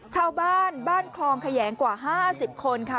ชาวบ้านบ้านคลองแขยงกว่า๕๐คนค่ะ